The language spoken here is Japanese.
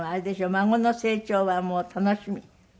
孫の成長は楽しみ？